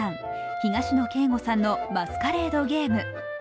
東野圭吾さんの「マスカレード・ゲーム」。